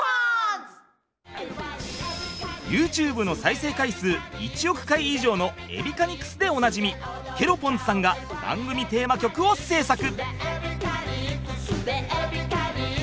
ＹｏｕＴｕｂｅの再生回数１億回以上の「エビカニクス」でおなじみケロポンズさんが番組テーマ曲を製作！